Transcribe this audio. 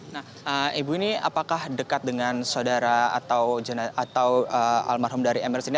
nah ibu ini apakah dekat dengan saudara atau almarhum dari emers ini